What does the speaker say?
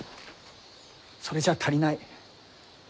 それじゃあ足りない。